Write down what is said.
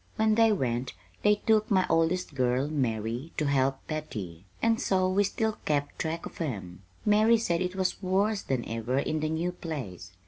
When they went they took my oldest girl, Mary, to help Betty; and so we still kept track of 'em. Mary said it was worse than ever in the new place.